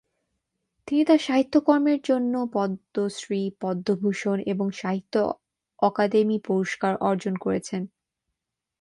তিনি তার সাহিত্যকর্মের জন্য পদ্মশ্রী, পদ্মভূষণ এবং সাহিত্য অকাদেমি পুরস্কার অর্জন করেছেন।